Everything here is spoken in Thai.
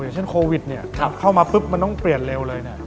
อย่างเช่นโควิดเข้ามาปุ๊บมันต้องเปลี่ยนเร็วเลย